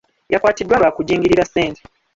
Yakwatiddwa lwa kujingirira ssente.